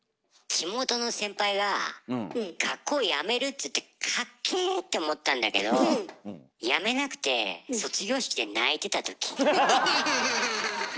地元の先輩が学校やめるっつってかっけぇ！って思ったんだけどやめなくて卒業式で泣いてたとき。